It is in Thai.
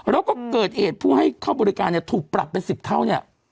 แล้วก็เกิดเหตุผู้ให้เข้าบริการเนี่ยถูกปรับเป็น๑๐เท่าเนี่ย